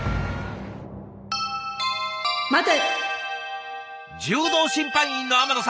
待て。